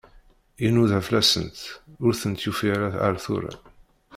Inuda fell-asent, ur tent-yufi ara ar tura.